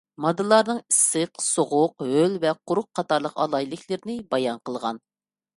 ماددىلارنىڭ ئىسسىق، سوغۇق، ھۆل ۋە قۇرۇق قاتارلىق ئالاھىدىلىكلىرىنى بايان قىلغان.